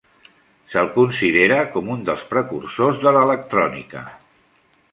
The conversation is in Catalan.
Se'l considera com un dels precursors de l'electrònica.